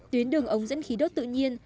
tuyến đường ống dẫn khí đốt tự nhiên